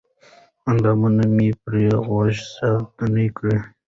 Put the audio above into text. اندامونه مې پرې غوړ شانتې کړل